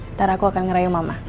ntar aku akan ngerayu mama